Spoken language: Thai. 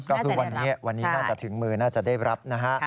ก็คือวันนี้วันนี้น่าจะถึงมือน่าจะได้รับนะฮะ